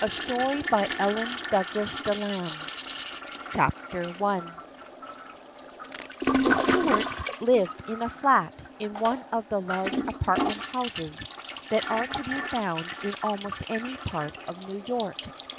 .. 279 The Friendship of Anne CHAPTER I THE Stuarts lived in a flat in one of the large apartment houses that are to be found in almost any part of New York.